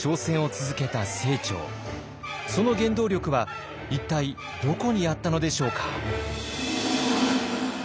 その原動力は一体どこにあったのでしょうか。